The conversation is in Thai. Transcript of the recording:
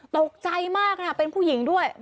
ตกใจมากค่ะเป็นผู้หญิงด้วย